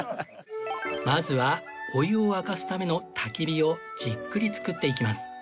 まずはお湯を沸かすための焚き火をじっくり作っていきます